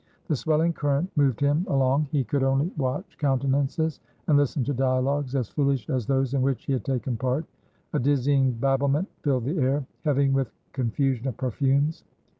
The swelling current moved him along; he could only watch countenances and listen to dialogues as foolish as those in which he had taken part; a dizzying babblement filled the air, heavy with confusion of perfumes.